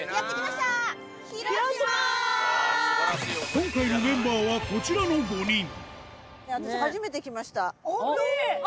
今回のメンバーはこちらの５人あります。